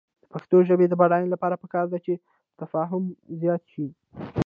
د پښتو ژبې د بډاینې لپاره پکار ده چې تفاهم زیات شي.